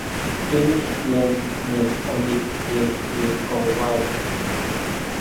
Kemij tlen nej onikyejyekouaya.